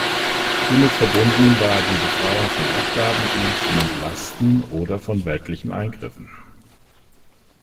Hiermit verbunden war die Befreiung von Abgaben, Diensten und Lasten oder von weltlichen Eingriffen.